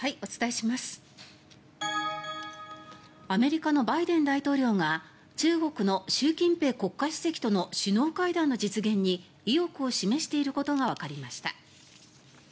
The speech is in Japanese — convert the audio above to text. アメリカのバイデン大統領が中国の習近平国家主席との首脳会談の実現に意欲を示していることがわかりました。